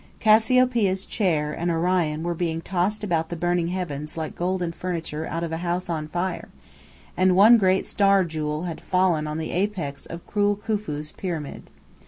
Casseopeia's Chair and Orion were being tossed about the burning heavens like golden furniture out of a house on fire; and one great star jewel had fallen on the apex of cruel Khufu's Pyramid.